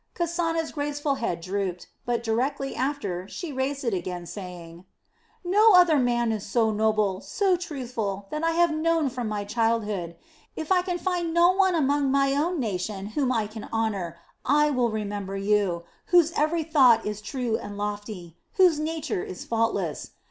Kasana's graceful head drooped; but directly after she raised it again, saying: "No other man is so noble, so truthful, that I have known from my childhood. If I can find no one among my own nation whom I can honor, I will remember you, whose every thought is true and lofty, whose nature is faultless.